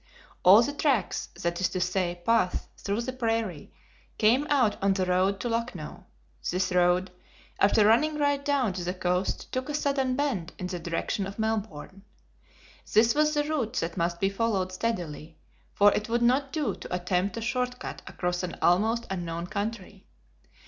All the TRACKS, that is to say, paths through the prairie, came out on the road to Lucknow. This road, after running right down to the coast took a sudden bend in the direction of Melbourne. This was the route that must be followed steadily, for it would not do to attempt a short cut across an almost unknown country.